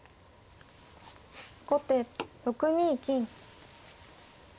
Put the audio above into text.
後手６二金。